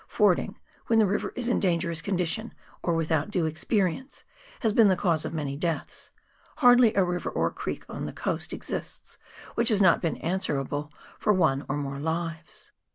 Fording, when the river is in dangerous condition, or without due experience, has been the cause of many deaths ; hardly a river or creek on the coast exists which has not been answerable for one or more lives.